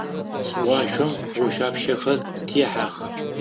Уашъом ошъуапщэхэр къытехьэх.